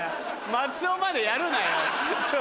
松尾までやるなよ。